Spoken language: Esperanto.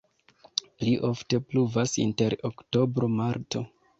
Pli ofte pluvas inter oktobro-marto.